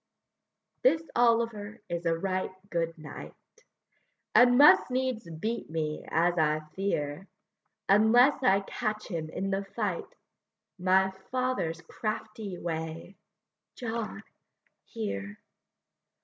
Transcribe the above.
This Oliver is a right good knight, And must needs beat me, as I fear, Unless I catch him in the fight, My father's crafty way: John, here!